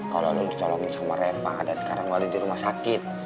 kalo lo ditolongin sama reva dan sekarang lo ada di rumah sakit